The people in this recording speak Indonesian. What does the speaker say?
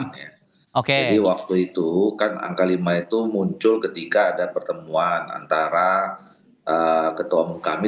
jadi waktu itu kan angka lima itu muncul ketika ada pertemuan antara ketua umum kami